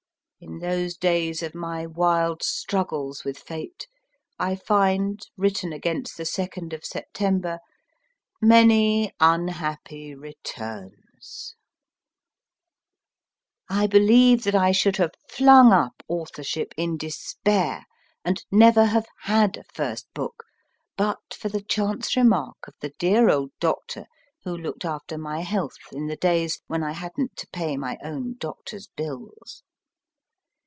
In those days of my wild struggles with Fate I find written against the 2nd of September, Many unhappy Returns. GEORGE R. SIMS 87 I believe that I should have flung up authorship in despair, and never have had a first book, but for the chance remark of the dear old doctor who looked after my health in the days when I hadn t to pay my own doctor s bills.